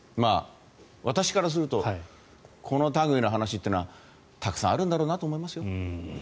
私からするとこのたぐいの話というのはたくさんあるんだと思いますよ。